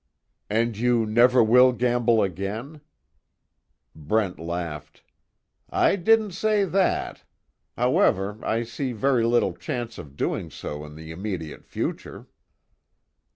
"And you never will gamble again?" Brent laughed: "I didn't say that. However I see very little chance of doing so in the immediate future."